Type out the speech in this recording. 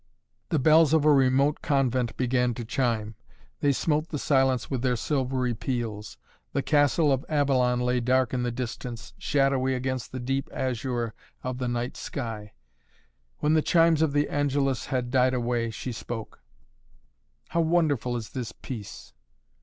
The bells of a remote convent began to chime. They smote the silence with their silvery peals. The castle of Avalon lay dark in the distance, shadowy against the deep azure of the night sky. When the chimes of the Angelus had died away, she spoke. "How wonderful is this peace!"